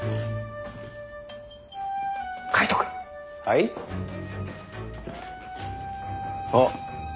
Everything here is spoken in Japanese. はい？あっ。